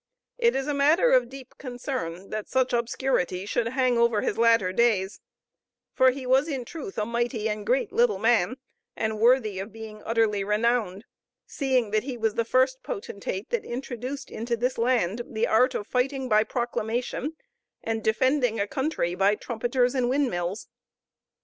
It is a matter of deep concern that such obscurity should hang over his latter days; for he was in truth a mighty and great little man, and worthy of being utterly renowned, seeing that he was the first potentate that introduced into this land the art of fighting by proclamation, and defending a country by trumpeters and windmills.